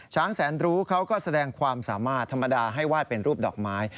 แสนรู้เขาก็แสดงความสามารถธรรมดาให้วาดเป็นรูปดอกไม้